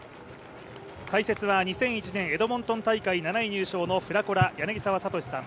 解説は２００１年エドモントン大会７位入賞のｆｒａｃｏｒａ・柳澤哲さん